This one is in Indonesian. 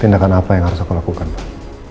tindakan apa yang harus aku lakukan pak